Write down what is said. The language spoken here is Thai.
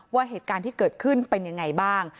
ว่าเหตุการณ์ที่เกิดขึ้นเป็นยังไงบ้าง